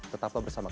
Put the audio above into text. tetaplah bersama kami